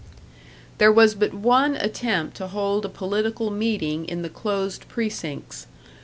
"There was but one attempt to hold a political meeting in the closed precincts.